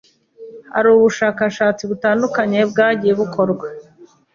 Hari ubushakashatsi butandukanye bwagiye bukorwa